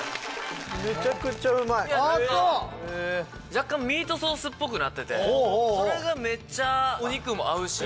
若干ミートソースっぽくなっててそれがめちゃお肉も合うし。